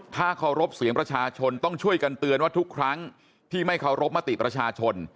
ถ้าเคารพเสียงประชาชนต้องช่วยกันเตือนว่าทุกครั้งที่ไม่เคารพมติประชาชน